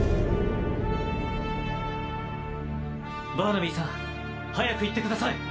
バーナビーさん早く行ってください。